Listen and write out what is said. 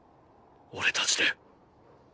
俺たちで。